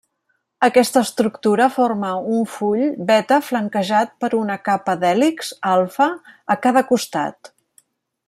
Aquesta estructura forma un full beta flanquejat per una capa d'hèlixs alfa a cada costat.